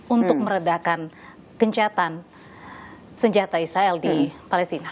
untuk meredakan kencatan senjata israel di palestina